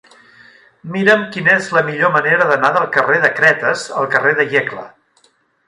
Mira'm quina és la millor manera d'anar del carrer de Cretes al carrer de Iecla.